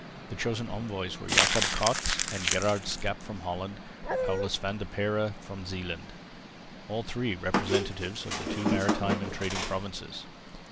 The chosen envoys were Jacob Cats and Gerard Schaep from Holland, Paulus van der Perre from Zeeland, all three representative of the two maritime and trading provinces.